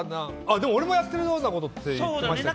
でも俺もやってるようなことって言ってましたよね。